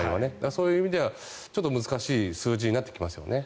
そういう意味ではちょっと難しい数字になってきますよね。